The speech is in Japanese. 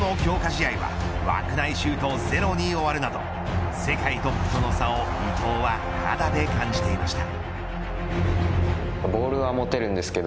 試合は枠内シュートゼロに終わるなど世界トップとの差を伊東は肌で感じていました。